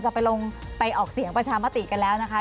จะไปลงไปออกเสียงประชามติกันแล้วนะคะ